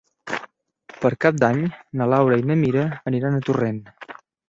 Per Cap d'Any na Laura i na Mira aniran a Torrent.